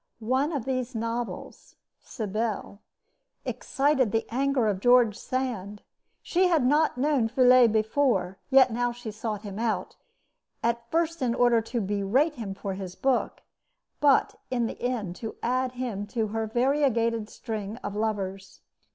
One of these novels, Sibylle, excited the anger of George Sand. She had not known Feuillet before; yet now she sought him out, at first in order to berate him for his book, but in the end to add him to her variegated string of lovers.